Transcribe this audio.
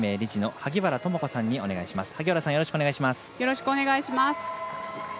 萩原さん、よろしくお願いします。